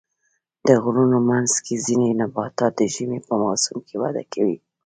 د غرونو منځ کې ځینې نباتات د ژمي په موسم کې وده کوي.